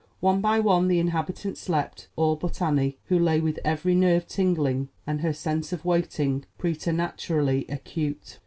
One by one the inhabitants slept, all but Annie, who lay with every nerve tingling and her sense of waiting preternaturally acute.